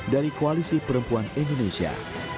dari koalisi perempuan indonesia